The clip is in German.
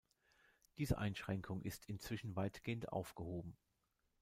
Diese Einschränkung ist inzwischen weitgehend aufgehoben.